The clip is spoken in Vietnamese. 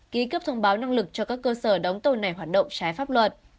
ký cấp thông báo năng lực cho các cơ sở đóng tàu này hoạt động trái pháp luật